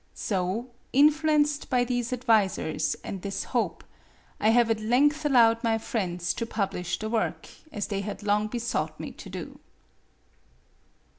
So, influenced by these advisors and this hope, I have at length allowed my friends to publish the work, as they had long besought me to do.